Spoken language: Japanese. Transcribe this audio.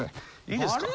いいですか？